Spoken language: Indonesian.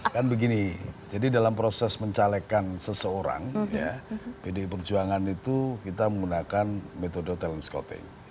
kan begini jadi dalam proses mencalekan seseorang ya pdi perjuangan itu kita menggunakan metode talent scouting